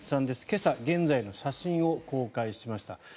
今朝、現在の写真を公開しました。